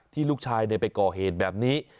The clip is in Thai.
ที่ลูกชายได้ไปก่อเหตุแบบนี้